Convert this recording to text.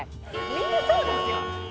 みんなそうですよ。